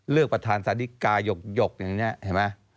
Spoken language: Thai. เลือกประธานศาลิกาหยกอย่างเนี้ยเห็นไหม